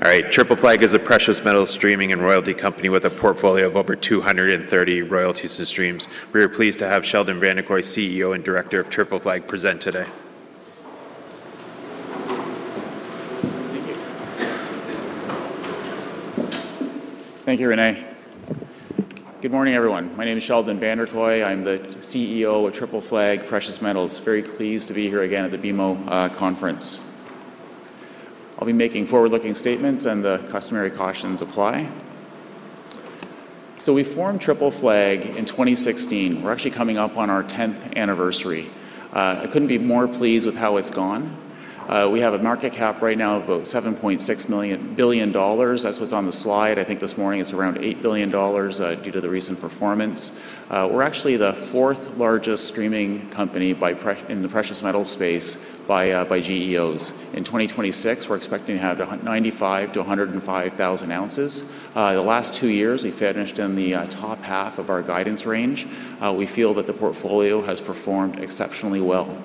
All right, Triple Flag is a precious metals streaming and royalty company with a portfolio of over 230 royalties and streams. We are pleased to have Sheldon Vanderkooy, CEO and Director of Triple Flag, present today. Thank you. Thank you, René. Good morning, everyone. My name is Sheldon Vanderkooy. I'm the CEO of Triple Flag Precious Metals. Very pleased to be here again at the BMO conference. I'll be making forward-looking statements, and the customary cautions apply. We formed Triple Flag in 2016. We're actually coming up on our tenth anniversary. I couldn't be more pleased with how it's gone. We have a market cap right now of about $7.6 billion. That's what's on the slide. I think this morning it's around $8 billion due to the recent performance. We're actually the fourth-largest streaming company in the precious metal space by GEOs. In 2026, we're expecting to have 95,000 to 105,000 ounces. The last two years, we finished in the top half of our guidance range. We feel that the portfolio has performed exceptionally well.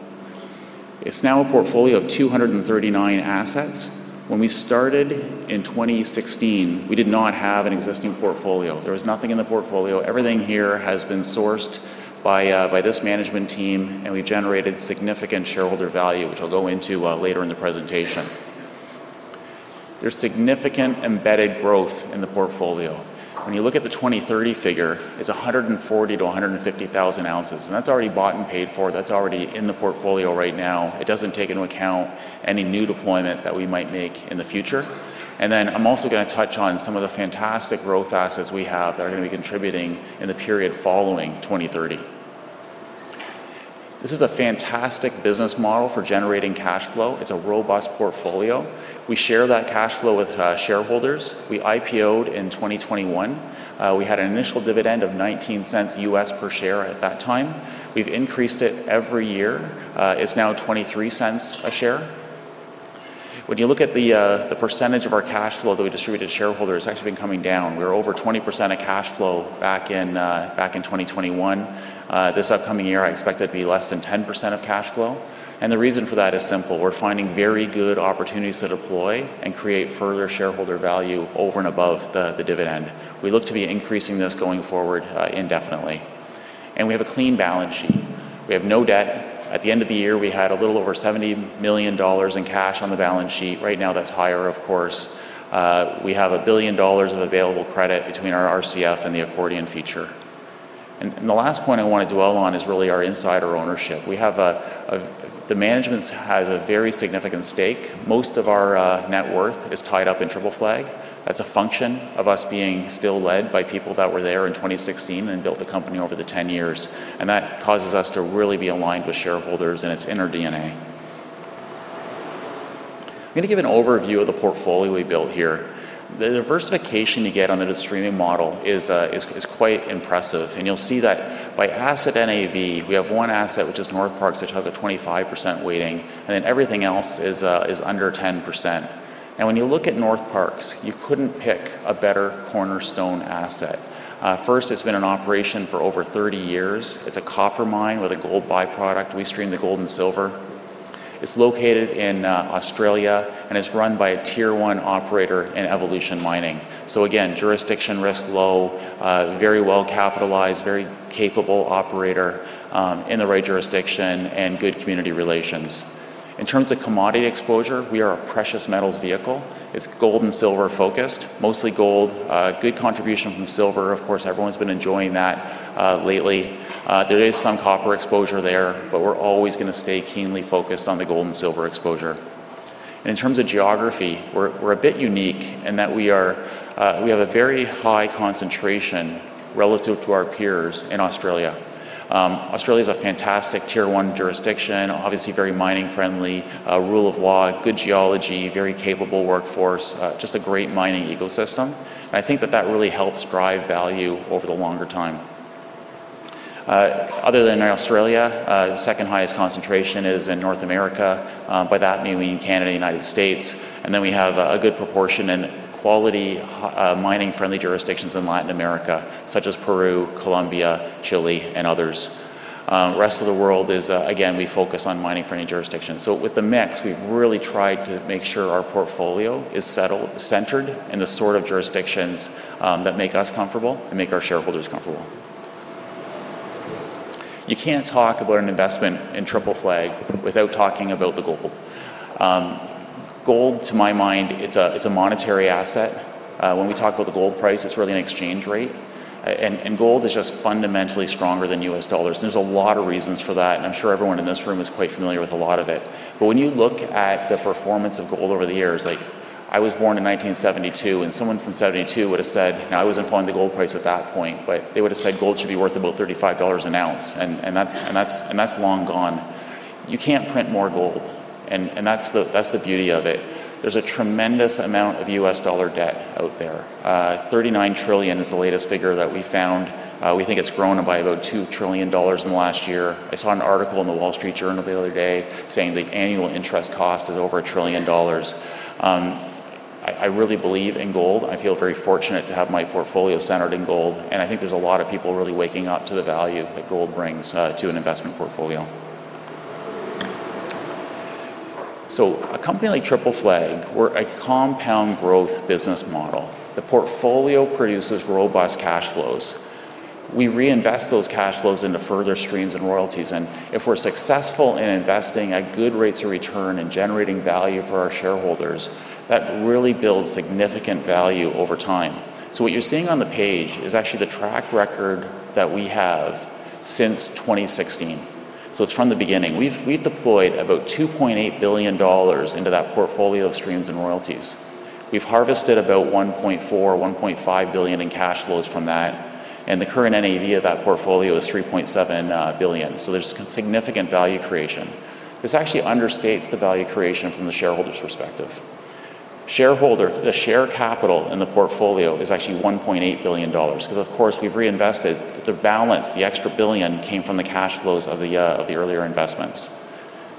It's now a portfolio of 239 assets. When we started in 2016, we did not have an existing portfolio. There was nothing in the portfolio. Everything here has been sourced by this management team, and we've generated significant shareholder value, which I'll go into later in the presentation. There's significant embedded growth in the portfolio. When you look at the 2030 figure, it's 140,000 to 150,000 ounces, and that's already bought and paid for. That's already in the portfolio right now. It doesn't take into account any new deployment that we might make in the future. I'm also gonna touch on some of the fantastic growth assets we have that are gonna be contributing in the period following 2030. This is a fantastic business model for generating cash flow. It's a robust portfolio. We share that cash flow with shareholders. We IPO'd in 2021. We had an initial dividend of $0.19 per share at that time. We've increased it every year. It's now $0.23 a share. When you look at the percentage of our cash flow that we distribute to shareholders, it's actually been coming down. We were over 20% of cash flow back in 2021. This upcoming year, I expect it to be less than 10% of cash flow, and the reason for that is simple. We're finding very good opportunities to deploy and create further shareholder value over and above the dividend. We look to be increasing this going forward indefinitely. We have a clean balance sheet. We have no debt. At the end of the year, we had a little over $70 million in cash on the balance sheet. Right now, that's higher, of course. We have $1 billion of available credit between our RCF and the accordion feature. The last point I want to dwell on is really our insider ownership. We have the management's has a very significant stake. Most of our net worth is tied up in Triple Flag. That's a function of us being still led by people that were there in 2016 and built the company over the 10 years. That causes us to really be aligned with shareholders and its inner DNA. I'm gonna give an overview of the portfolio we built here. The diversification you get on the streaming model is quite impressive, and you'll see that by asset NAV. We have one asset, which is Northparkes, which has a 25% weighting, and then everything else is under 10%. When you look at Northparkes, you couldn't pick a better cornerstone asset. First, it's been in operation for over 30 years. It's a copper mine with a gold by-product. We stream the gold and silver. It's located in Australia, and it's run by a tier one operator in Evolution Mining. Again, jurisdiction risk low, very well-capitalized, very capable operator, in the right jurisdiction, and good community relations. In terms of commodity exposure, we are a precious metals vehicle. It's gold and silver-focused, mostly gold, good contribution from silver. Of course, everyone's been enjoying that lately. There is some copper exposure there, but we're always gonna stay keenly focused on the gold and silver exposure. In terms of geography, we're a bit unique in that we are, we have a very high concentration relative to our peers in Australia. Australia's a fantastic tier one jurisdiction, obviously very mining-friendly, rule of law, good geology, very capable workforce, just a great mining ecosystem, and I think that that really helps drive value over the longer time. Other than Australia, the second-highest concentration is in North America, by that meaning Canada, United States, and then we have a good proportion in quality, mining-friendly jurisdictions in Latin America, such as Peru, Colombia, Chile, and others. Rest of the world is, again, we focus on mining-friendly jurisdictions. With the mix, we've really tried to make sure our portfolio is settled, centered in the sort of jurisdictions that make us comfortable and make our shareholders comfortable. You can't talk about an investment in Triple Flag without talking about the gold. Gold, to my mind, it's a monetary asset. When we talk about the gold price, it's really an exchange rate, and gold is just fundamentally stronger than U.S. dollars. There's a lot of reasons for that, and I'm sure everyone in this room is quite familiar with a lot of it. When you look at the performance of gold over the years, like, I was born in 1972, and someone from 72 would have said. I wasn't following the gold price at that point, they would have said gold should be worth about $35 an ounce, and that's long gone. You can't print more gold, and that's the beauty of it. There's a tremendous amount of U.S. dollar debt out there. $39 trillion is the latest figure that we found. We think it's grown by about $2 trillion in the last year. I saw an article in The Wall Street Journal the other day saying the annual interest cost is over $1 trillion. I really believe in gold. I feel very fortunate to have my portfolio centered in gold, and I think there's a lot of people really waking up to the value that gold brings to an investment portfolio. A company like Triple Flag, we're a compound growth business model. The portfolio produces robust cash flows. We reinvest those cash flows into further streams and royalties, and if we're successful in investing at good rates of return and generating value for our shareholders, that really builds significant value over time. What you're seeing on the page is actually the track record that we have since 2016. It's from the beginning. We've deployed about $2.8 billion into that portfolio of streams and royalties. We've harvested about $1.4 billion-$1.5 billion in cash flows from that, and the current NAV of that portfolio is $3.7 billion. There's significant value creation. This actually understates the value creation from the shareholders' perspective. The share capital in the portfolio is actually $1.8 billion, 'cause of course, we've reinvested the balance. The extra $1 billion came from the cash flows of the earlier investments.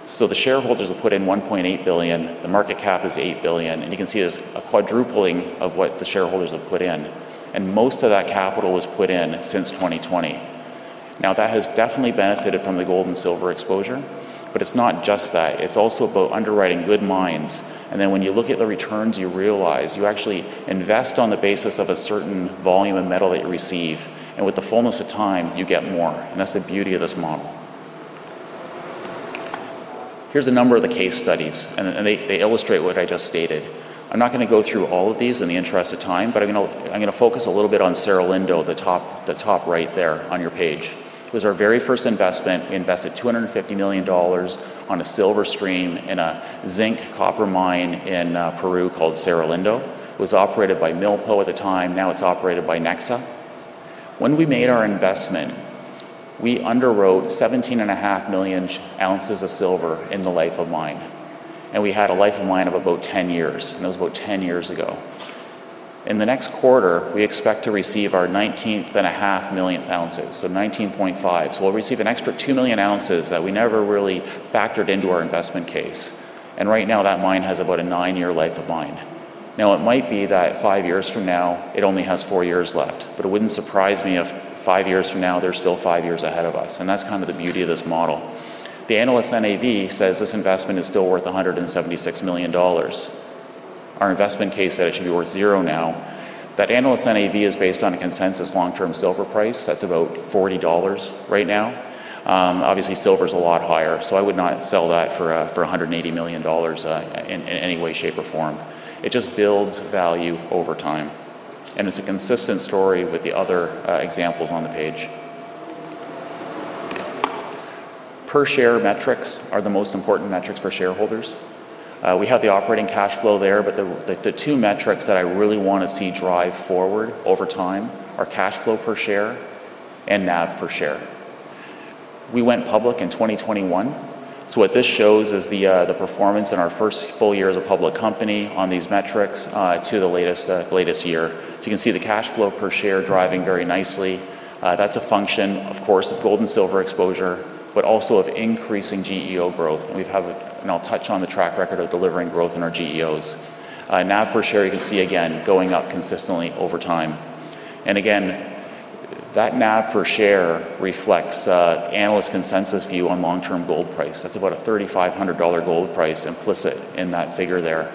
The shareholders have put in $1.8 billion, the market cap is $8 billion, and you can see there's a quadrupling of what the shareholders have put in, and most of that capital was put in since 2020. Now, that has definitely benefited from the gold and silver exposure, but it's not just that. It's also about underwriting good mines, and then when you look at the returns, you realize you actually invest on the basis of a certain volume of metal that you receive, and with the fullness of time, you get more, and that's the beauty of this model. Here's a number of the case studies, and they illustrate what I just stated. I'm not gonna go through all of these in the interest of time, but I'm gonna focus a little bit on Cerro Lindo, the top right there on your page. It was our very first investment. We invested $250 million on a silver stream in a zinc copper mine in Peru called Cerro Lindo. It was operated by Milpo at the time, now it's operated by Nexa. When we made our investment, we underwrote 17 and a half million ounces of silver in the life of mine, and we had a life of mine of about 10 years, and it was about 10 years ago. In the next quarter, we expect to receive our 19 and a half million ounces, so 19.5. We'll receive an extra 2 million ounces that we never really factored into our investment case, and right now, that mine has about a 9-year life of mine. Now, it might be that five years from now, it only has four years left, but it wouldn't surprise me if five years from now, there's still 5 years ahead of us, and that's kind of the beauty of this model. The analyst NAV says this investment is still worth $176 million. Our investment case said it should be worth zero now. That analyst NAV is based on a consensus long-term silver price that's about $40 right now. Obviously, silver's a lot higher, so I would not sell that for $180 million in any way, shape, or form. It just builds value over time, and it's a consistent story with the other examples on the page. Per share metrics are the most important metrics for shareholders. We have the operating cash flow there, but the two metrics that I really wanna see drive forward over time are cash flow per share and NAV per share. We went public in 2021. What this shows is the performance in our first full year as a public company on these metrics, to the latest year. You can see the cash flow per share driving very nicely. That's a function, of course, of gold and silver exposure, but also of increasing GEO growth. I'll touch on the track record of delivering growth in our GEOs. NAV per share, you can see again, going up consistently over time. Again, that NAV per share reflects, analyst consensus view on long-term gold price. That's about a $3,500 gold price implicit in that figure there.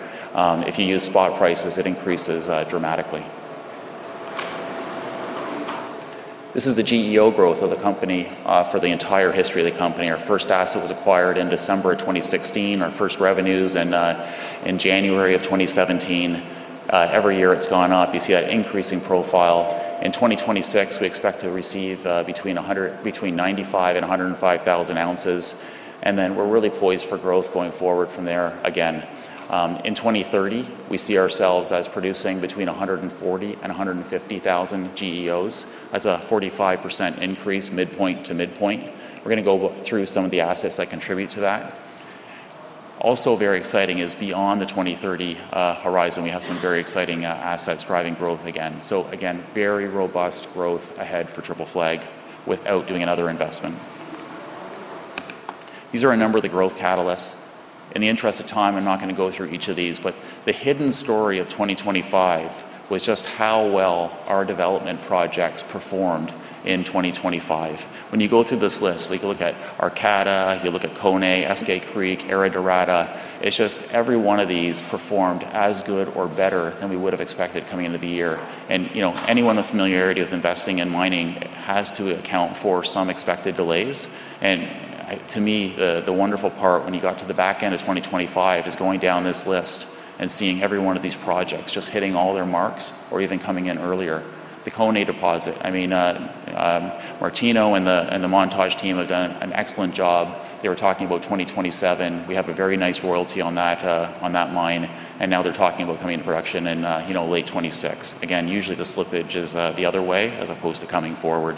If you use spot prices, it increases dramatically. This is the GEO growth of the company for the entire history of the company. Our first asset was acquired in December of 2016, our first revenues in January of 2017. Every year it's gone up, you see that increasing profile. In 2026, we expect to receive between 95,000 and 105,000 ounces, and then we're really poised for growth going forward from there again. In 2030, we see ourselves as producing between 140,000 and 150,000 GEOs. That's a 45% increase, midpoint to midpoint. We're gonna go through some of the assets that contribute to that. Also very exciting is beyond the 2030 horizon, we have some very exciting assets driving growth again. Again, very robust growth ahead for Triple Flag without doing another investment. These are a number of the growth catalysts. In the interest of time, I'm not gonna go through each of these, but the hidden story of 2025 was just how well our development projects performed in 2025. When you go through this list, like you look at Arcata, you look at Koné, Eskay Creek, Era Dorada, it's just every one of these performed as good or better than we would have expected coming into the year. You know, anyone with familiarity with investing in mining has to account for some expected delays, to me, the wonderful part when you got to the back end of 2025, is going down this list and seeing every one of these projects just hitting all their marks or even coming in earlier. The Koné deposit, I mean, Martino and the Montage team have done an excellent job. They were talking about 2027. We have a very nice royalty on that on that mine, now they're talking about coming to production in, you know, late 2026. Again, usually the slippage is the other way, as opposed to coming forward.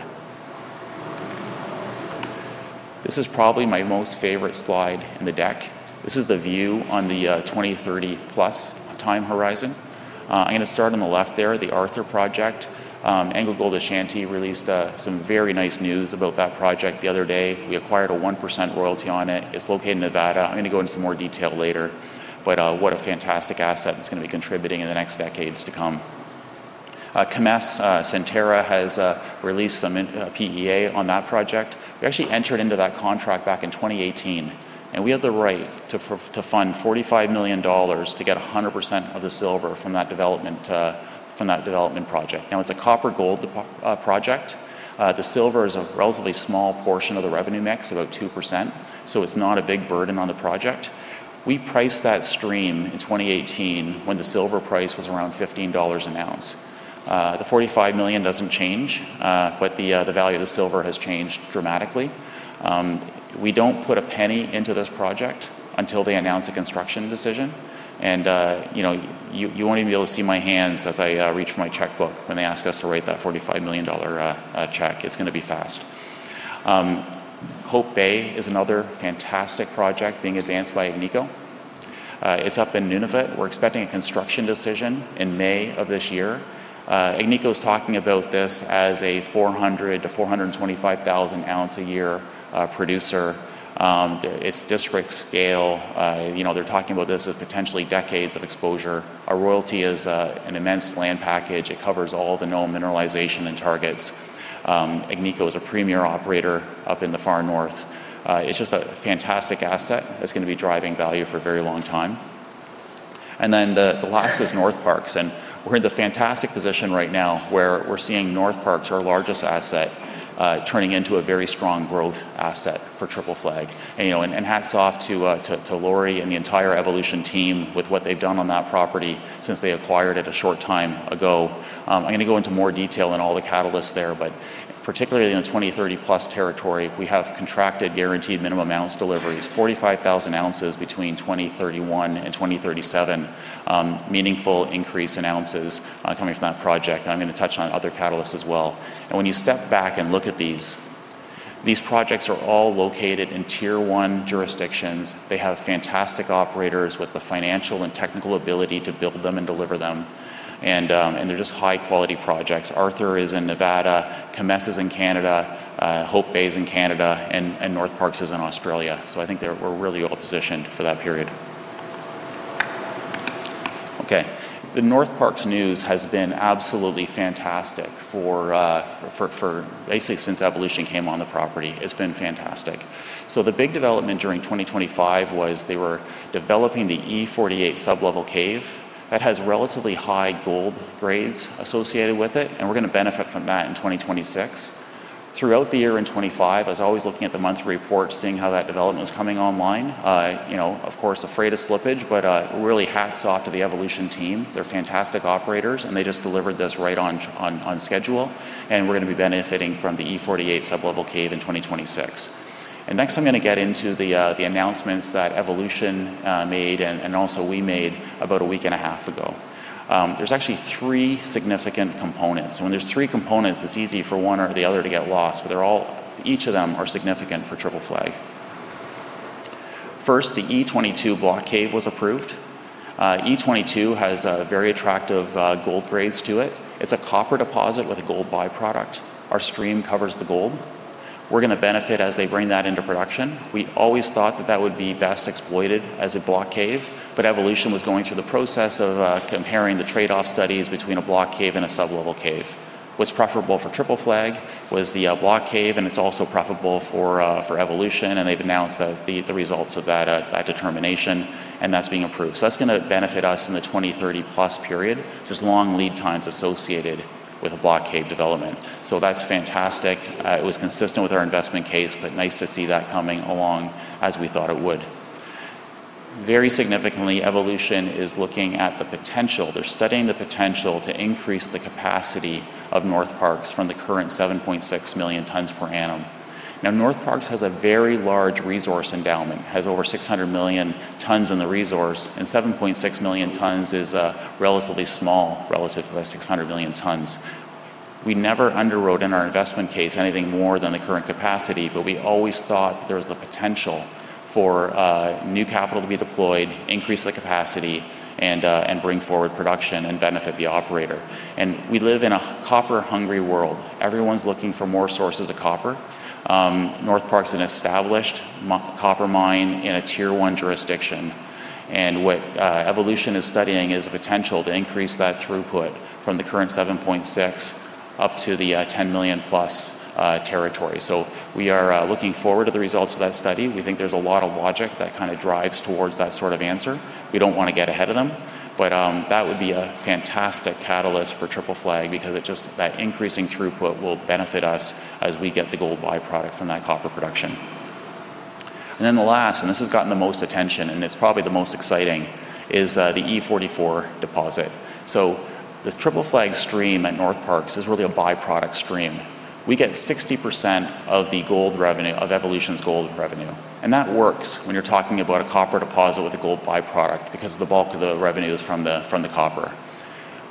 This is probably my most favorite slide in the deck. This is the view on the 2030+ time horizon. I'm gonna start on the left there, the Arthur Project. AngloGold Ashanti released some very nice news about that project the other day. We acquired a 1% royalty on it. It's located in Nevada. I'm gonna go into some more detail later, but what a fantastic asset it's gonna be contributing in the next decades to come. Kemess, Centerra has released some PEA on that project. We actually entered into that contract back in 2018, and we have the right to fund $45 million to get 100% of the silver from that development, from that development project. It's a copper-gold project. The silver is a relatively small portion of the revenue mix, about 2%, so it's not a big burden on the project. We priced that stream in 2018 when the silver price was around $15 an ounce. The $45 million doesn't change, but the value of the silver has changed dramatically. We don't put a penny into this project until they announce a construction decision, and, you know, you won't even be able to see my hands as I reach for my checkbook when they ask us to write that $45 million check. It's gonna be fast. Hope Bay is another fantastic project being advanced by Agnico. It's up in Nunavut. We're expecting a construction decision in May of this year. Agnico is talking about this as a 400,000-425,000 ounce a year producer. It's district scale. You know, they're talking about this as potentially decades of exposure. Our royalty is an immense land package. It covers all the known mineralization and targets. Agnico is a premier operator up in the far north. It's just a fantastic asset that's gonna be driving value for a very long time. The last is Northparkes, and we're in the fantastic position right now where we're seeing Northparkes, our largest asset, turning into a very strong growth asset for Triple Flag. You know, hats off to Lawrie and the entire Evolution team with what they've done on that property since they acquired it a short time ago. I'm gonna go into more detail on all the catalysts there. Particularly in the 2030-plus territory, we have contracted guaranteed minimum ounce deliveries, 45,000 ounces between 2031 and 2037. Meaningful increase in ounces coming from that project. I'm gonna touch on other catalysts as well. When you step back and look at these projects are all located in Tier One jurisdictions. They have fantastic operators with the financial and technical ability to build them and deliver them, and they're just high-quality projects. Arthur is in Nevada, Kemess's in Canada, Hope Bay's in Canada, and Northparkes is in Australia. I think we're really well positioned for that period. The Northparkes news has been absolutely fantastic for basically since Evolution came on the property, it's been fantastic. The big development during 2025 was they were developing the E48 sublevel cave. That has relatively high gold grades associated with it, and we're gonna benefit from that in 2026. Throughout the year in 2025, I was always looking at the month's report, seeing how that development was coming online. You know, of course, afraid of slippage, but really hats off to the Evolution team. They're fantastic operators, and they just delivered this right on schedule, and we're gonna be benefiting from the E48 sublevel cave in 2026. Next, I'm gonna get into the announcements that Evolution made and also we made about a week and a half ago. There's actually three significant components, and when there's three components, it's easy for one or the other to get lost, but they're all. Each of them are significant for Triple Flag. First, the E22 block cave was approved. E22 has very attractive gold grades to it. It's a copper deposit with a gold by-product. Our stream covers the gold. We're gonna benefit as they bring that into production. We always thought that that would be best exploited as a block cave, but Evolution was going through the process of comparing the trade-off studies between a block cave and a sublevel cave. What's profitable for Triple Flag was the block cave, and it's also profitable for Evolution, and they've announced the results of that determination, and that's being approved. That's gonna benefit us in the 2030+ period. There's long lead times associated with a block cave development, so that's fantastic. It was consistent with our investment case, nice to see that coming along as we thought it would. Very significantly, Evolution is looking at the potential. They're studying the potential to increase the capacity of Northparkes from the current 7.6 million tons per annum. Northparkes has a very large resource endowment, has over 600 million tons in the resource, and 7.6 million tons is relatively small relative to the 600 million tons. We never underwrote in our investment case anything more than the current capacity, we always thought there was the potential for new capital to be deployed, increase the capacity, and bring forward production and benefit the operator. We live in a copper-hungry world. Everyone's looking for more sources of copper. Northparkes an established copper mine in a tier one jurisdiction, and what Evolution is studying is the potential to increase that throughput from the current 7.6 million up to the 10+ million territory. We are looking forward to the results of that study. We think there's a lot of logic that kind of drives towards that sort of answer. We don't wanna get ahead of them, but that would be a fantastic catalyst for Triple Flag because that increasing throughput will benefit us as we get the gold by-product from that copper production. The last, and this has gotten the most attention, and it's probably the most exciting, is the E44 deposit. The Triple Flag stream at Northparkes is really a by-product stream. We get 60% of the gold revenue, of Evolution's gold revenue. That works when you're talking about a copper deposit with a gold by-product because the bulk of the revenue is from the copper.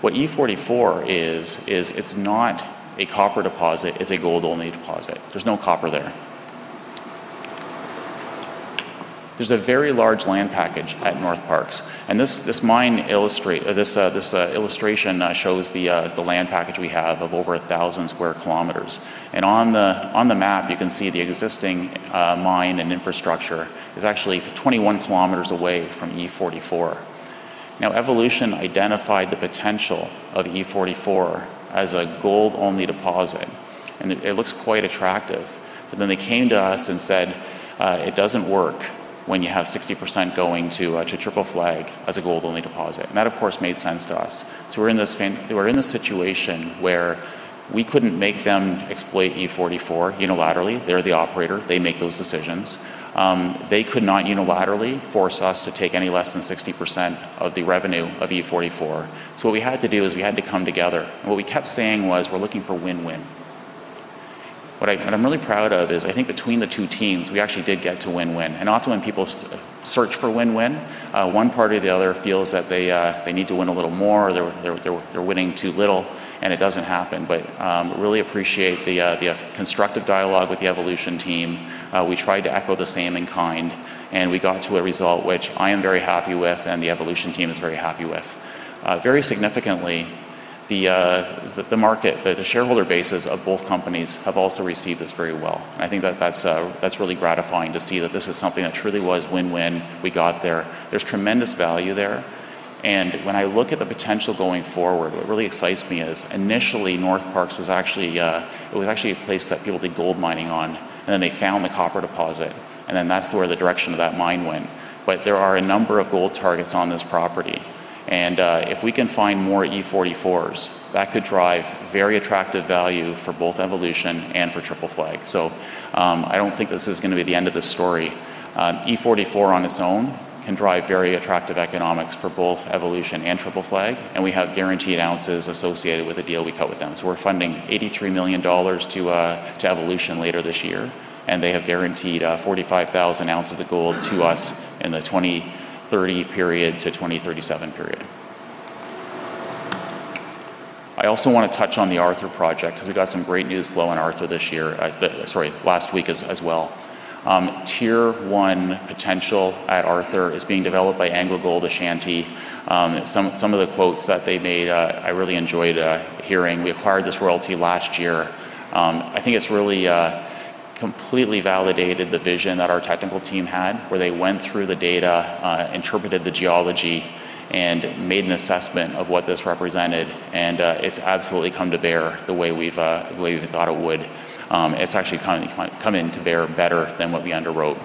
What E44 is, it's not a copper deposit, it's a gold-only deposit. There's no copper there. There's a very large land package at Northparkes. This illustration shows the land package we have of over 1,000 square kilometers. On the map, you can see the existing mine and infrastructure is actually 21 kilometers away from E44. Now, Evolution identified the potential of E44 as a gold-only deposit. It looks quite attractive. They came to us and said, "It doesn't work when you have 60% going to Triple Flag Precious Metals as a gold-only deposit," and that, of course, made sense to us. We're in this situation where we couldn't make them exploit E44 unilaterally. They're the operator, they make those decisions. They could not unilaterally force us to take any less than 60% of the revenue of E44. What we had to do is we had to come together, and what we kept saying was, "We're looking for win-win." What I'm really proud of is I think between the two teams, we actually did get to win-win, and often when people search for win-win, one party or the other feels that they need to win a little more, or they're winning too little, and it doesn't happen. Really appreciate the constructive dialogue with the Evolution team. We tried to echo the same in kind, and we got to a result which I am very happy with, and the Evolution team is very happy with. Very significantly, the market, the shareholder bases of both companies have also received this very well. I think that that's really gratifying to see that this is something that truly was win-win. We got there. There's tremendous value there. When I look at the potential going forward, what really excites me is initially, Northparkes was actually, it was actually a place that people did gold mining on, and then they found the copper deposit, and then that's where the direction of that mine went. There are a number of gold targets on this property, and if we can find more E44s, that could drive very attractive value for both Evolution and for Triple Flag. I don't think this is gonna be the end of the story. E44 on its own can drive very attractive economics for both Evolution and Triple Flag, and we have guaranteed ounces associated with the deal we cut with them. We're funding $83 million to Evolution later this year, and they have guaranteed 45,000 ounces of gold to us in the 2030 period to 2037 period. I also want to touch on the Arthur Project because we've got some great news flow on Arthur this year. Sorry, last week as well. Tier One potential at Arthur is being developed by AngloGold Ashanti. Some of the quotes that they made, I really enjoyed hearing. We acquired this royalty last year. I think it's really completely validated the vision that our technical team had, where they went through the data, interpreted the geology, and made an assessment of what this represented, and it's absolutely come to bear the way we've, the way we thought it would. It's actually kind of come into bear better than what we underwrote.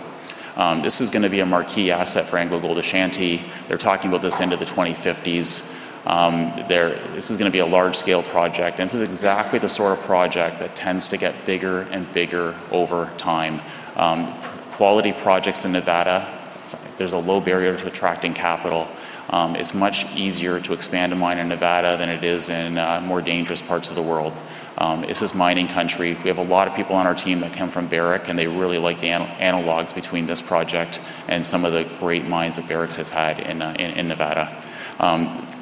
This is gonna be a marquee asset for AngloGold Ashanti. They're talking about this into the 2050s. This is gonna be a large-scale project, and this is exactly the sort of project that tends to get bigger and bigger over time. Quality projects in Nevada, there's a low barrier to attracting capital. It's much easier to expand a mine in Nevada than it is in more dangerous parts of the world. This is mining country. We have a lot of people on our team that come from Barrick, and they really like the analogues between this project and some of the great mines that Barrick has had in Nevada.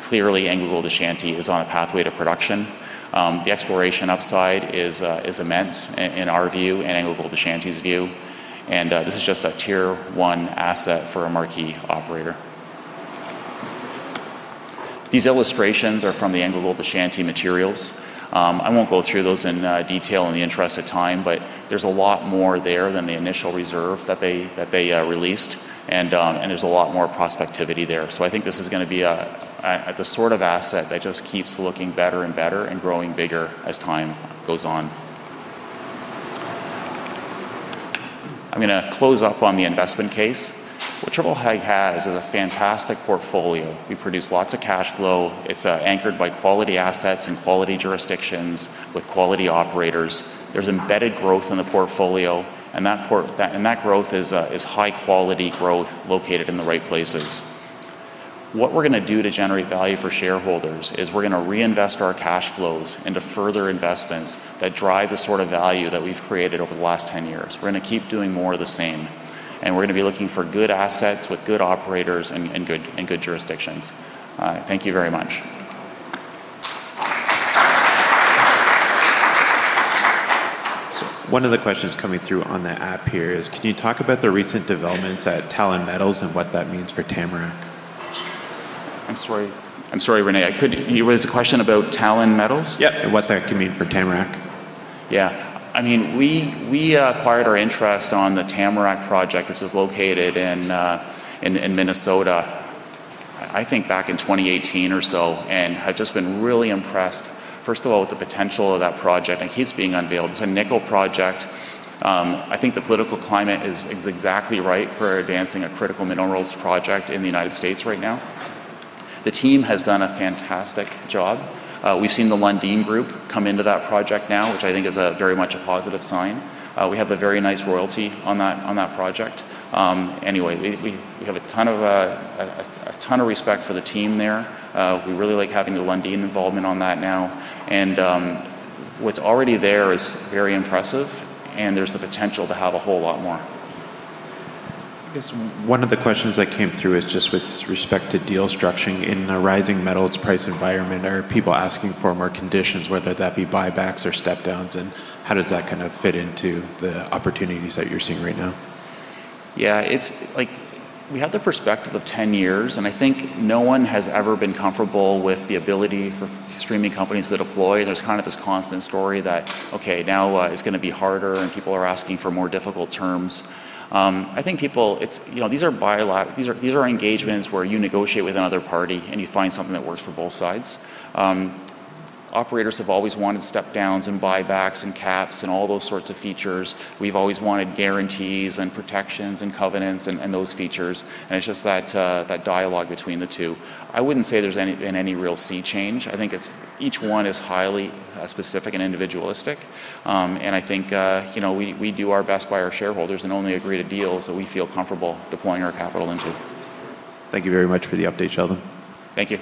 Clearly, AngloGold Ashanti is on a pathway to production. The exploration upside is immense in our view, and AngloGold Ashanti's view, and this is just a Tier One asset for a marquee operator. These illustrations are from the AngloGold Ashanti materials. I won't go through those in detail in the interest of time, but there's a lot more there than the initial reserve that they released, and there's a lot more prospectivity there. I think this is gonna be the sort of asset that just keeps looking better and better and growing bigger as time goes on. I'm gonna close up on the investment case. What Triple Flag has is a fantastic portfolio. We produce lots of cash flow. It's anchored by quality assets and quality jurisdictions with quality operators. There's embedded growth in the portfolio. That growth is high-quality growth located in the right places. What we're gonna do to generate value for shareholders is we're gonna reinvest our cash flows into further investments that drive the sort of value that we've created over the last 10 years. We're gonna keep doing more of the same. We're gonna be looking for good assets with good operators and good jurisdictions. Thank you very much. One of the questions coming through on the app here is, can you talk about the recent developments at Talon Metals and what that means for Tamarack? I'm sorry, René, It was a question about Talon Metals? Yep, what that could mean for Tamarack. I mean, we acquired our interest on the Tamarack Project, which is located in Minnesota, I think back in 2018 or so, have just been really impressed, first of all, with the potential of that project. It keeps being unveiled. It's a nickel project. I think the political climate is exactly right for advancing a critical minerals project in the United States right now. The team has done a fantastic job. We've seen the Lundin Group come into that project now, which I think is a very much a positive sign. We have a very nice royalty on that project. Anyway, we have a ton of respect for the team there. We really like having the Lundin involvement on that now, and what's already there is very impressive, and there's the potential to have a whole lot more. I guess one of the questions that came through is just with respect to deal structuring. In a rising metals price environment, are people asking for more conditions, whether that be buybacks or step-downs, and how does that kind of fit into the opportunities that you're seeing right now? Yeah, it's like we have the perspective of 10 years. I think no one has ever been comfortable with the ability for streaming companies to deploy. There's kind of this constant story that, okay, now, it's gonna be harder. People are asking for more difficult terms. I think people, you know, these are by and large, these are engagements where you negotiate with another party. You find something that works for both sides. Operators have always wanted step-downs and buybacks and caps and all those sorts of features. We've always wanted guarantees and protections and covenants and those features. It's just that dialogue between the two. I wouldn't say there's been any real sea change. I think it's, each one is highly, specific and individualistic, I think, you know, we do our best by our shareholders and only agree to deals that we feel comfortable deploying our capital into. Thank you very much for the update, Sheldon. Thank you.